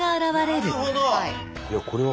なるほど！